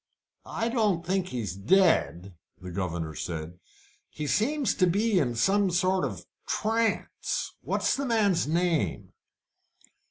"I don't think he's dead," the governor said. "He seems to be in some sort of trance. What's the man's name?"